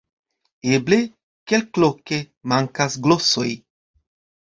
Eble, kelkloke mankas glosoj.